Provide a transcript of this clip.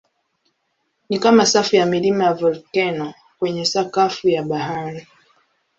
Ni kama safu ya milima ya volkeno kwenye sakafu ya bahari.